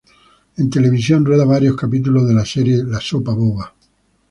En televisión rueda varios capítulos de la serie "La sopa boba".